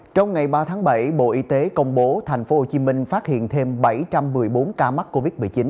trong ngày ba tháng bảy bộ y tế công bố thành phố hồ chí minh phát hiện thêm bảy trăm một mươi bốn ca mắc covid một mươi chín